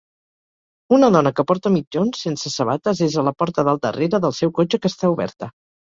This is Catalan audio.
Una dona que porta mitjons sense sabates és a la porta del darrera del seu cotxe que està oberta